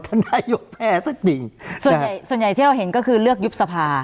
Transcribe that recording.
นายกแพ้ก็จริงส่วนใหญ่ส่วนใหญ่ที่เราเห็นก็คือเลือกยุบสภา